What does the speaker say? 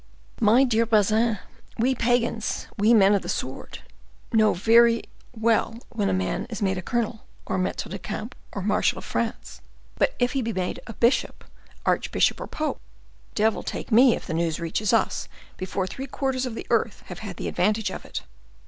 "My dear Bazin, we pagans, we men of the sword, know very well when a man is made a colonel, or maitre de camp, or marshal of France; but if he be made a bishop, arch bishop, or pope—devil take me if the news reaches us before the three quarters of the earth have had the advantage of it!"